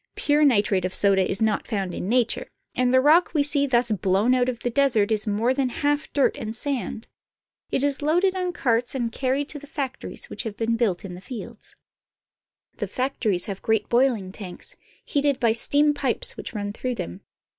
Pure nitrate of soda is not found in nature, and the rock we see thus blown out of the desert is more than half dirt and sand. It is loaded on carts and carried to factories which have been built in the fields. CARP. S. AM. — 7 I04 CHILE. SALT ROCK The factories have great boiling tanks, heated by steam pipes which run through them.